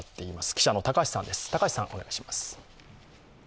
記者の高橋さんお願いします。